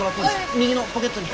右のポケットに。